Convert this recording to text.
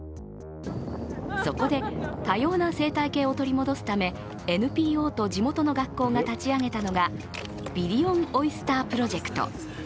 そこで、多様な生態系を取り戻すためＮＰＯと地元の学校が立ち上げたのがビリオン・オイスター・プロジェクト。